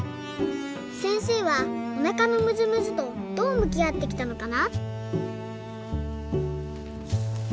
せんせいはおなかのむずむずとどうむきあってきたのかな？